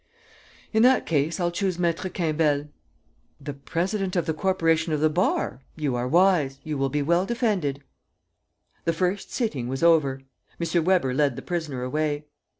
"In that case, I'll choose Maître Quimbel." "The president of the corporation of the bar. You are wise, you will be well defended." The first sitting was over. M. Weber led the prisoner away.